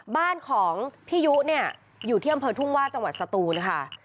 บ้านของพี่ยุเนี่ยอยู่ที่อำเภอทุ่งว่าจังหวัดสตูนค่ะ